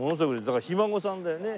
だからひ孫さんだよね？